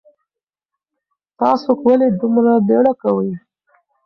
تاسو ولې دومره بیړه کوئ؟